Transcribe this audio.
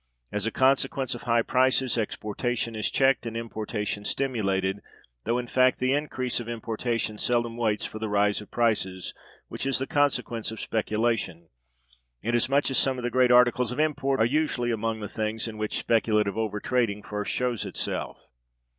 As a consequence of high prices, exportation is checked and importation stimulated; though in fact the increase of importation seldom waits for the rise of prices which is the consequence of speculation, inasmuch as some of the great articles of import are usually among the things in which speculative overtrading first shows itself.